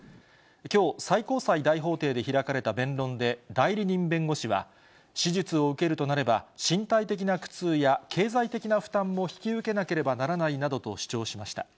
きょう、最高裁大法廷で開かれた弁論で、代理人弁護士は、手術を受けるとなれば、身体的な苦痛や経済的な負担も引き受けなければならないなどと主張しました。